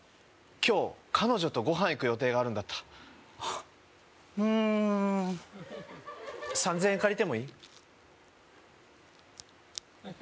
今日彼女とごはん行く予定があるんだったあふん３０００円借りてもいい？